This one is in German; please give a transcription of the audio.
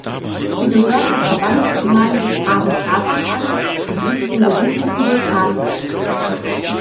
Sie gehört der Verbandsgemeinde Traben-Trarbach an und liegt in der südlichen Vulkaneifel.